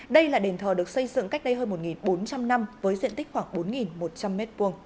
đây là đền thờ được xây dựng cách đây hơn một bốn trăm linh năm với diện tích khoảng bốn một trăm linh m hai